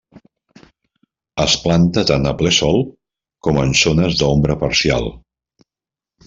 Es planta tant a ple sol com en zones d'ombra parcial.